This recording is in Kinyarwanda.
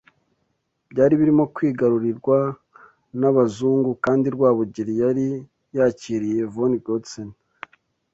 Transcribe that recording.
byari birimo kwigarurirwa n’abazungu kandi Rwabugili yari yakiriye Von Goetzen